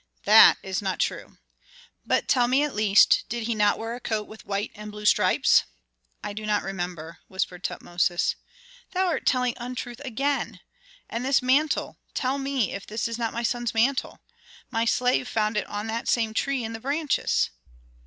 "That is not true. But tell me, at least, did he not wear a coat with white and blue stripes?" "I do not remember," whispered Tutmosis. "Thou art telling untruth again. And this mantle, tell me if this is not my son's mantle? My slave found it on that same tree, in the branches."